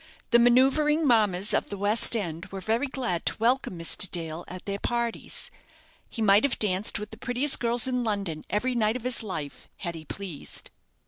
The manoeuvring mammas of the West End were very glad to welcome Mr. Dale at their parties. He might have danced with the prettiest girls in London every night of his life had he pleased.